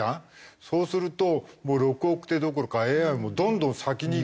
そうするともう６億手どころかＡＩはどんどん先に行くわけじゃない。